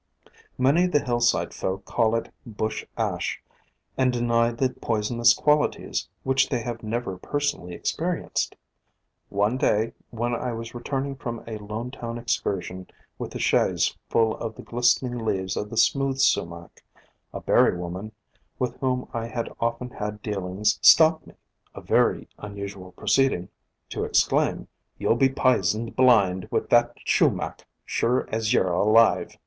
Many of the hillside folk call it Bush Ash, and deny the poisonous qualities which they have never personally experienced. One day when I was re turning from a Lonetown excursion with the chaise full of the glistening leaves of the Smooth Sumac, a " berry woman " with whom I had often had dealings stopped me — a very unusual proceeding — to exclaim, "You '11 be p'isoned blind with that Shumac, sure as yer alive."